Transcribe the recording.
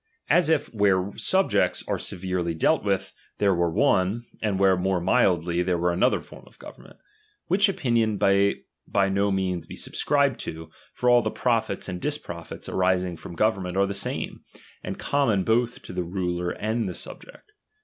As if where subjects are severely dealt with, there were one, and where more mildly, there were another form of government. Which opinion may by no means be subscribed to ; for all the profits and disprofits arising from government are the same, and common both to the ruler and, the subject.